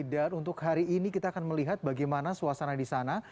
dan untuk hari ini kita akan melihat bagaimana suasana di sana